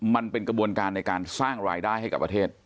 มันเป็นกระบวนการในการสร้างรายได้ให้กับประเทศ